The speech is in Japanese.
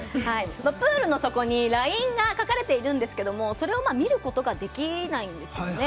プールの底にラインが書かれているんですけどもそれを見ることができないんですね。